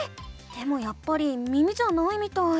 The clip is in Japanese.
でもやっぱり耳じゃないみたい。